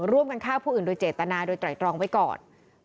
ร่วมกันฆ่าผู้อื่นโดยเจตนาโดยไตรตรองไว้ก่อน